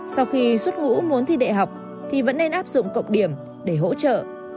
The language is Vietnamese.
sau khi xuất ngũ muốn thi đại học thì vẫn nên áp dụng cộng điểm để hỗ trợ